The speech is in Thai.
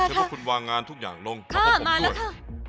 เชื่อว่าคุณวางงานทุกอย่างลงครับกับผมด้วยครับมาแล้วครับ